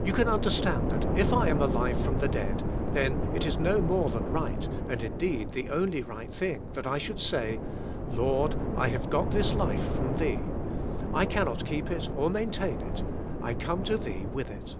You can understand that if I am alive from the dead ^iBtD YOURSKI^VKS tJN'TO GOD. 199 then it is no more than right, and indeed the only rig ht thing that I should say, '*L,ord, I have gfot this life from Thee; I cannot keep it or maintain it, I come to Thee with it."